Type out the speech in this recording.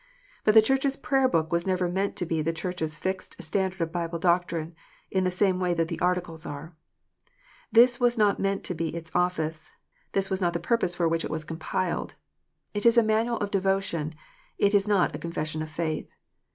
But the Church s Prayer book was never meant to be the Church s fixed standard of Bible doctrine, in the same way that the Articles are. This was not meant to be its office : this was not the purpose for which it was compiled. It is a manual of devotion ; it is not a Confession of faith.